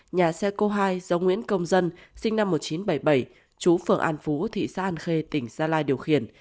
nhà xe cô hai do nguyễn công dân sinh năm một nghìn chín trăm bảy mươi bảy chú phường an phú thị xã an khê tỉnh gia lai điều khiển